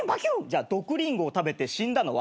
じゃあ毒リンゴを食べて死んだのは？